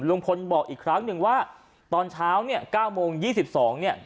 ลุงพลบอกอีกครั้งหนึ่งว่าตอนเช้าเนี่ย๙โมง๒๒เนี่ย